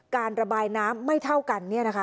การระบายน้ำไม่เท่ากัน